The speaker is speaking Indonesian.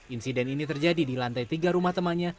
insiden ini terjadi di lantai tiga rumah temannya